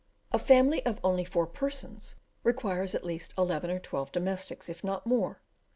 A family of only four persons requires at least eleven or twelve domestics, if not more.